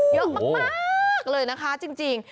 เยอะมากเลยนะคะจริง